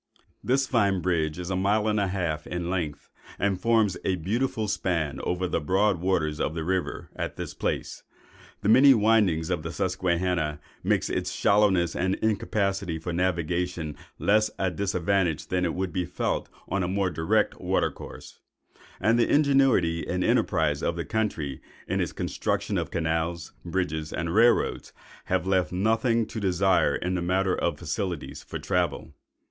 This fine bridge is a mile and a half in length, and forms a beautiful span over the broad waters of the river at this place. The many windings of the Susquehanna make its shallowness and incapacity for navigation less a disadvantage than would have been felt on a more direct water course; and the ingenuity and enterprise of the country in the construction of canals, bridges, and rail roads, have left nothing to desire in the matter of facilities for travel.